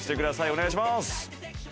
お願いします。